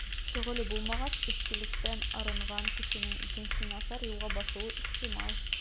Шөғөлө булмағас, эскелектән арынған кешенең икенсе насар юлға баҫыуы ихтимал.